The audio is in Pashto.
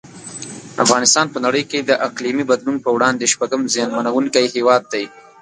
افغانستان په نړۍ کې د اقلیمي بدلون په وړاندې شپږم زیانمنونکی هیواد دی.